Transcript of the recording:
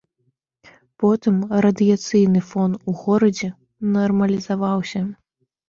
Потым радыяцыйны фон у горадзе нармалізаваўся.